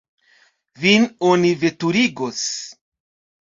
Vin oni veturigos.